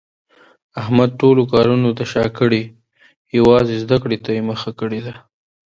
احمد ټولو کارونو ته شاکړې یووازې زده کړې ته یې مخه کړې ده.